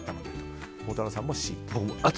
孝太郎さんもＣ。